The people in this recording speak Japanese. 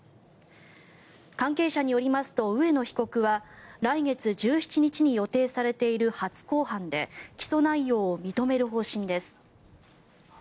関係者によりますと、植野被告は来月１７日に予定されている初公判で起訴内容を認める方針です。